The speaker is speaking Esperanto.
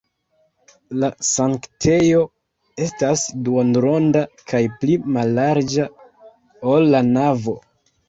La sanktejo estas duonronda kaj pli mallarĝa, ol la navo.